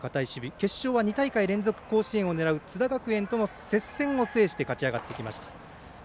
決勝は２大会連続甲子園を狙う津田学園との接戦を制して勝ち上がってきました。